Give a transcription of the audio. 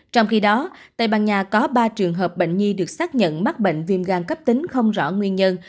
trong khi đó tây ban nha có ba trường hợp bệnh nhi được xác nhận mắc bệnh viêm gan cấp tính không rõ nguyên nhân